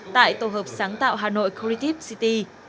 tại tổ hợp sáng tạo hà nội creative city